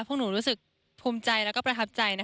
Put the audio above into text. พวกหนูรู้สึกภูมิใจและประทับใจ